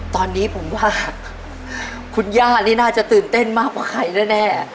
ตอนนี้ผมว่าคุณย่านี่น่าจะตื่นเต้นมากกว่าใครแน่